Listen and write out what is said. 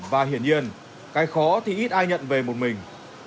và hiển nhiên cái khó thì ít ai nhận về một mình